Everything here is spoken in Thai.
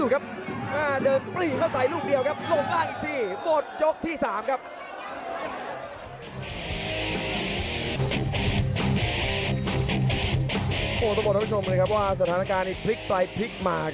รวดต้องบอกทุกท่านผู้ชมเลยครับว่าสถานการณ์นี้